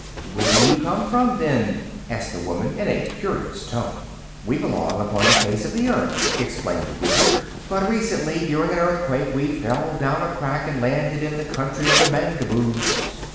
"Where do you come from, then?" asked the woman, in a curious tone. "We belong upon the face of the earth," explained the Wizard, "but recently, during an earthquake, we fell down a crack and landed in the Country of the Mangaboos."